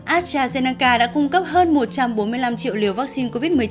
astrazeneca đã cung cấp hơn một trăm bốn mươi năm triệu liều vaccine covid một mươi chín